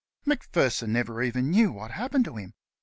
Macpherson never even knew what happened to him.